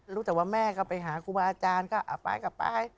รู้จักว่าแม่ก็ไปหาทรัพย์จารไทยก็ไปกลับไป